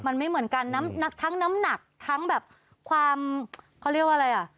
มันไม่เหมือนกันน้ำหนักทั้งน้ำหนักทั้งแบบความเขาเรียกว่าอะไรอ่ะ